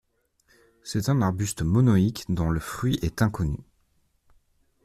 C'est un arbuste monoïque dont le fruit est inconnu.